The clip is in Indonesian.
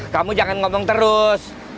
kamu jangan ngomong terus